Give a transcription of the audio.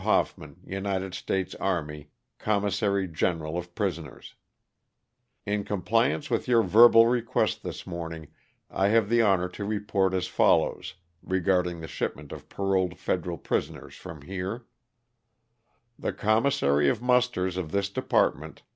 Hoffman, United States Army, Com missary General of Prisoners : "In compliance with your verbal request this morning I have the honor to report as follows regarding the shipment of paroled federal prisoners from here: "The commissary of musters of this department.